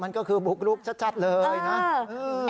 มันก็คือบุกรุกชัดเลยนะ